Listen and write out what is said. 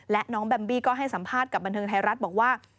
และน้องแบมบี้ก็ให้สัมภาษณ์กับบันเทิงไทยรัฐบอกว่า